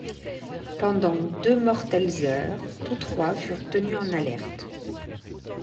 Pendant deux mortelles heures, tous trois furent tenus en alerte.